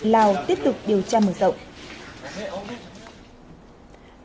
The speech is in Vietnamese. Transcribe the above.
lào tiếp tục điều tra mở rộng